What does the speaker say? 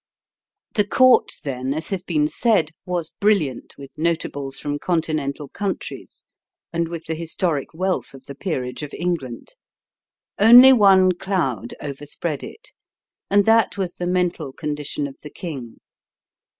The court, then, as has been said, was brilliant with notables from Continental countries, and with the historic wealth of the peerage of England. Only one cloud overspread it; and that was the mental condition of the king.